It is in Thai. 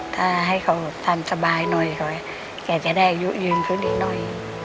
ถ้าให้เขาทำสบายหน่อยแกจะได้อายุยืนขึ้นอีกหน่อย